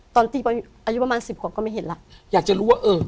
ตอนอายุประมาณ๑๐ขบก็ไม่เห็นแล้ว